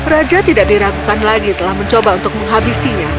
raja tidak diragukan lagi telah mencoba untuk menghabisinya